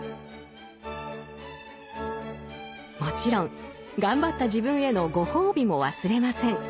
もちろん頑張った自分へのご褒美も忘れません。